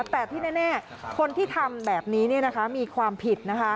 แต่ที่แน่คนที่ทำแบบนี้มีความผิดนะคะ